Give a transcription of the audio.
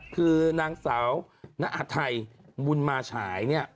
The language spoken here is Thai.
คือนางสาวนอาทัยบุญมาฉายเนี่ย